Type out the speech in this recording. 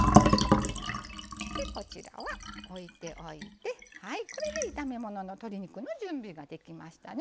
こちらは置いておいてこれで炒め物の準備ができましたね。